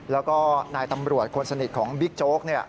แล้วก็นายตำรวจคนสนิทของบิ๊กโจ๊ก